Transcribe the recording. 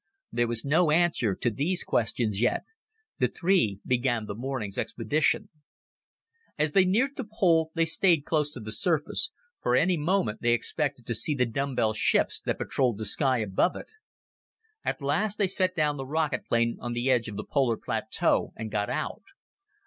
There was no answer to these questions yet. The three began the morning's expedition. As they neared the pole, they stayed close to the surface, for, any moment, they expected to see the dumbbell ships that patrolled the sky above it. At last they set down the rocket plane on the edge of the polar plateau and got out.